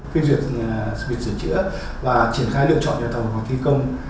khuyên duyệt biệt sửa chữa và triển khai lựa chọn nhà thầu hoặc thi công